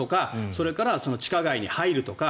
それから地下街に入るとか